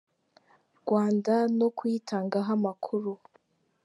Rwanda no kuyitangaho amakuru.